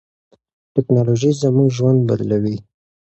ټیکنالوژي زموږ ژوند بدلوي.